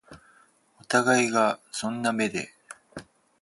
お互いがそんな目で